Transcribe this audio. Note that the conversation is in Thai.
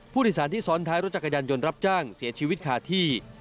ผู้โดยสารที่ซ้อนท้ายรถจักรยานยนต์รับจ้างเสียชีวิตคาที่